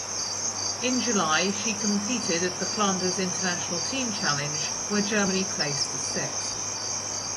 In July she competed at the Flanders International Team Challenge where Germany placed sixth.